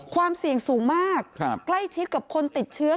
ความเสี่ยงสูงมากใกล้ชิดกับคนติดเชื้อ